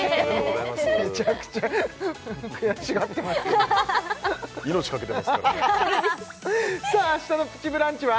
めちゃくちゃ悔しがってますけど命かけてますからさあ明日の「プチブランチ」は？